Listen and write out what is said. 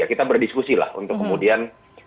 kita berdiskusi lah untuk kemudian